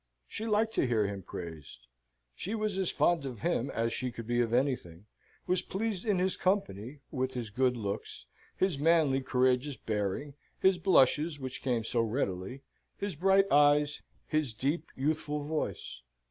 She liked to hear him praised. She was as fond of him as she could be of anything; was pleased in his company, with his good looks, his manly courageous bearing, his blushes, which came so readily, his bright eyes, his deep youthful voice.